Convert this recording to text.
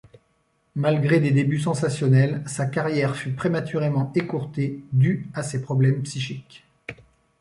Malgré des débuts sensationnels, sa carrière fut prématurément écourtée due à ses problèmes psychiques.